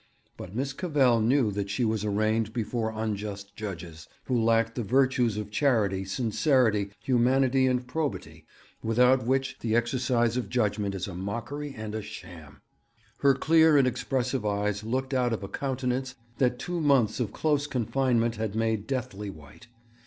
But Miss Cavell knew that she was arraigned before unjust judges, who lacked the virtues of charity, sincerity, humanity, and probity, without which the exercise of judgement is a mockery and a sham. Her clear and expressive eyes looked out of a countenance that two months of close confinement had made deathly white.